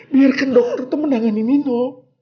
biarkan dokter itu menangani nino